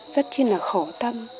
rất chi là khổ tâm